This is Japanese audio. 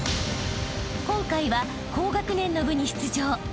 ［今回は高学年の部に出場］